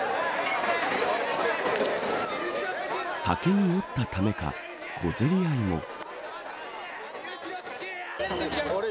酒に酔ったためか小競り合いも。